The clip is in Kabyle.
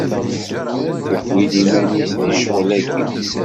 Tewwi-d iman-is deg ccɣel-agi.